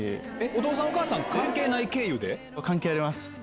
お父さん、お母さん関係ない関係あります。